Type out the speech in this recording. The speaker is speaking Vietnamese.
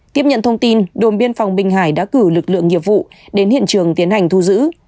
tiếp nhận thông tin đồn biên phòng bình hải đã cử lực lượng nghiệp vụ đến hiện trường tiến hành thu giữ